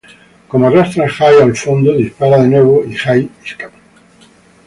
Como arrastra Jay al fondo, dispara de nuevo y Jay escapa.